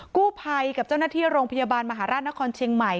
กู้ภัยกับเจ้าหน้าที่โรงพยาบาลมหาราชนครเชียงใหม่